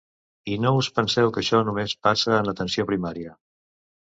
I no us penseu que això només passa en atenció primària.